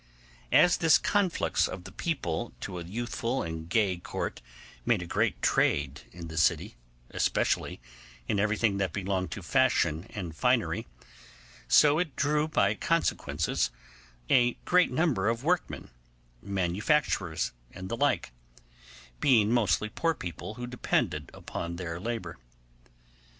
As this conflux of the people to a youthful and gay Court made a great trade in the city, especially in everything that belonged to fashion and finery, so it drew by consequence a great number of workmen, manufacturers, and the like, being mostly poor people who depended upon their labour.